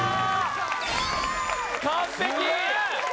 完璧！